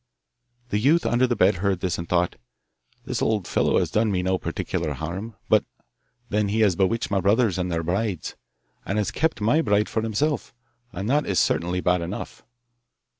The youth under the bed heard this, and thought, 'This old fellow has done me no particular harm, but then he has bewitched my brothers and their brides, and has kept my bride for himself, and that is certainly bad enough.